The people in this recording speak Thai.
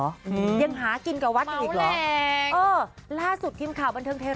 หังหางกอนว่ากินกับวัดอีกหรอเออราสุทธิ์ีข่าวบรรเทิงเทรัสของเราไปเจนบวนน้องการ